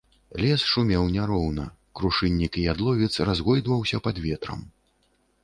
Лес шумеў няроўна, крушыннік і ядловец разгойдваўся пад ветрам.